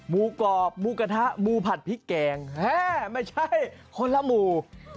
หมูกรอบหมูกระทะหมูผัดพริกแกงไม่ใช่คนละหมู่